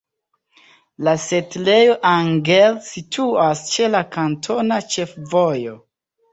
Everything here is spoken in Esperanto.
La setlejo Angel situas ĉe la kantona ĉefvojo.